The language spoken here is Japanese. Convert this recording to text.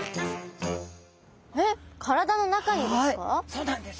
そうなんです。